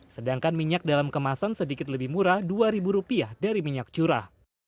sedangkan minyak dalam kemasan sedikit lebih murah rp dua dari minyak curah